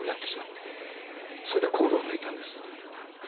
それでコードを抜いたんです。